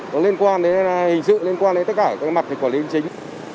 có liên quan đến hình sự liên quan đến tất cả các mặt của lý do chính